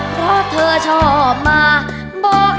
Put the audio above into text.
เพราะเธอชอบเมืองเมือง